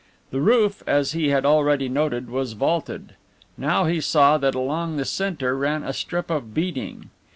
The roof, as he had already noted, was vaulted. Now he saw that along the centre ran a strip of beading.